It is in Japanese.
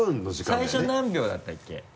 最初何秒だったっけ？